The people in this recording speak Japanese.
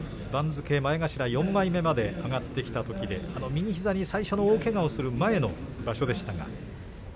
宇良が前頭４枚目に上がってきたときに右膝に大きな大けがをする前の場所でした。